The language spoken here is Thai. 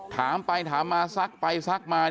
ถามไปถามมาซักไปซักมา